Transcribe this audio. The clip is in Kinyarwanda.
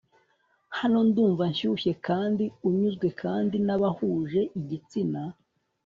Hano ndumva nshyushye kandi unyuzwe kandi nabahuje igitsina